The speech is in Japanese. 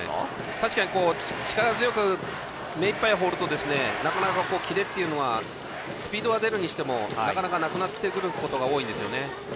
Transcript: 確かに力強く目いっぱい放るとなかなか、キレというのはスピードは出るにしてもなかなか、なくなってくることが多いんですよね。